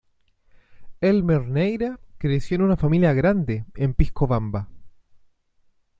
Elmer Neyra creció en una familia grande en Piscobamba.